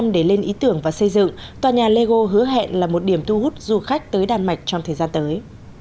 để lên ý tưởng và xây dựng tòa nhà lego hứa hẹn là một điểm thu hút du khách tới đan mạch trong thời gian tới